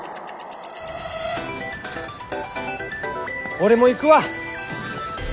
俺も行くわ。